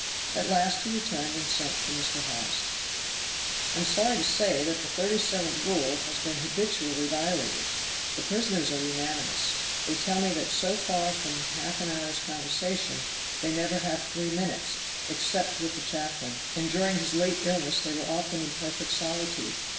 At last he returned and sent for Mr. Hawes. "I am sorry to say that the 37th Rule has been habitually violated; the prisoners are unanimous; they tell me that so far from half an hour's conversation, they never have three minutes, except with the chaplain. And during his late illness they were often in perfect solitude.